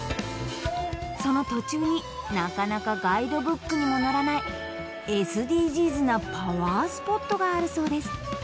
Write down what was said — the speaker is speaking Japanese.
その途中になかなかガイドブックにも載らないＳＤＧｓなパワースポットがあるそうです